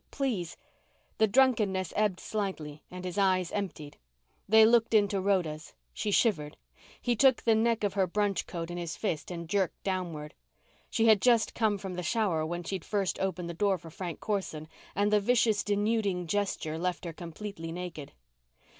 Please " The drunkenness ebbed slightly and his eyes emptied. They looked into Rhoda's. She shivered. He took the neck of her brunch coat in his fist and jerked downward. She had just come from the shower when she'd first opened the door for Frank Corson, and the vicious denuding gesture left her completely naked.